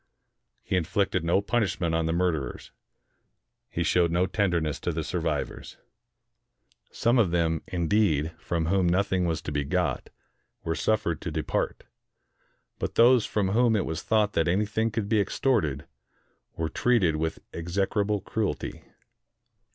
He inflicted no punishment on the murderers. He showed no tenderness to the survivors. 1 60 THE BLACK HOLE OF CALCUTTA Some of them, indeed, from whom nothing was to be got, were suffered to depart ; but those from whom it was thought that anything could be extorted were treated with execrable cruelty.